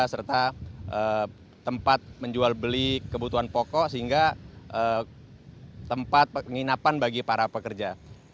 serta tempat menjual beli kebutuhan pokok sehingga tempat penginapan bagi para pekerja